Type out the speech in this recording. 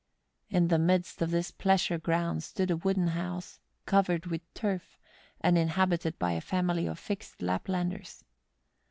In the midst of this pleasure ground stood a wooden house, covered with turf, and inhabited by a family of fixed Laplanders.